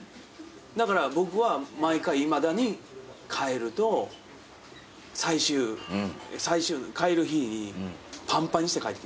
だから僕は毎回いまだに帰ると最終帰る日にぱんぱんにして帰ってきます。